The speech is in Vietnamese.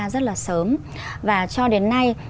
rất là sớm và cho đến nay